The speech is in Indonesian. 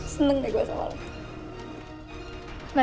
seneng deh gue sama lo